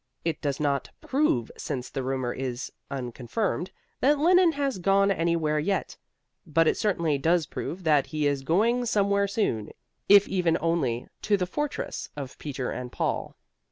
It does not prove, since the rumor is "unconfirmed," that Lenine has gone anywhere yet; but it certainly does prove that he is going somewhere soon, even if only to the fortress of Peter and Paul.